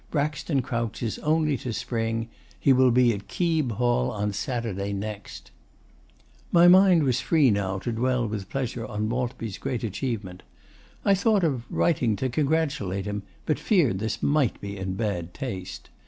'Braxton crouches only to spring. He will be at Keeb Hall on Saturday next.' My mind was free now to dwell with pleasure on Maltby's great achievement. I thought of writing to congratulate him, but feared this might be in bad taste.